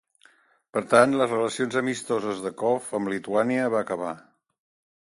Per tant, les relacions amistoses de Pskov amb Lituània va acabar.